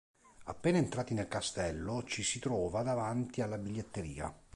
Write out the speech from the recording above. Appena entrati nel castello, ci si trova davanti alla biglietteria.